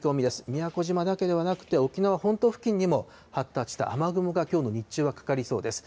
宮古島だけではなくて、沖縄本島付近にも発達した雨雲がきょうの日中はかかりそうです。